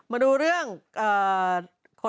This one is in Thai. มาดูเรื่อง